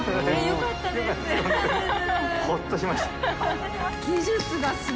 よかったです